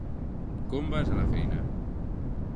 Com vas a la feina?